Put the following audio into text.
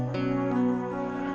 tidak ada apa apa